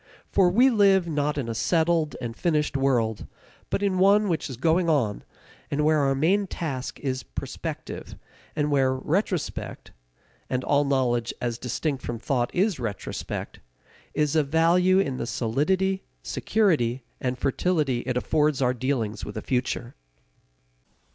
For we live not in a settled and finished world, but in one which is going on, and where our main task is prospective, and where retrospect and all knowledge as distinct from thought is retrospect is of value in the solidity, security, and fertility it affords our dealings with the future.